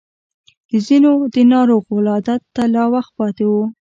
د ځينو د ناروغ ولادت ته لا وخت پاتې و.